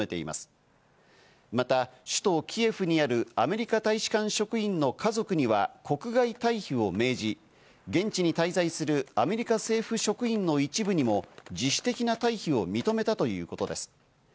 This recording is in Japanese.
また、首都キエフにあるアメリカ大使館職員の家族には国外退避を命じ、現地に滞在するアメリカ政府職員にも一部に自主的な退避を認めたということです。